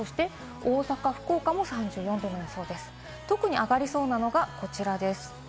特に上がりそうなのが、こちらです。